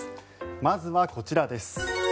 まずはこちらです。